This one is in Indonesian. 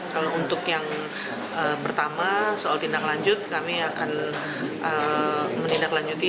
kalau untuk yang pertama soal tindaklanjuti kami akan menindaklanjuti